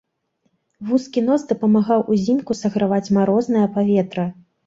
Вузкі нос дапамагаў узімку саграваць марознае паветра.